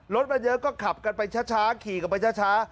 รถมันเยอะก็ขับกันไปช้าขี่กันไปช้า